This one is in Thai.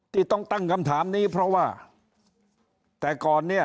ที่ต้องตั้งคำถามนี้เพราะว่าแต่ก่อนเนี่ย